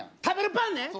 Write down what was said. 食べるパンね。